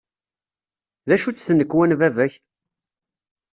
D acu-tt tnekwa n baba-k?